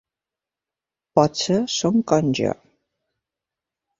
Potser són com jo.